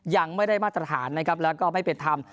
ยังไม่ได้มาตรฐานและไม่เป็นธรรม